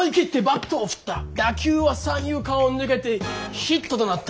打球は三遊間を抜けてヒットとなった。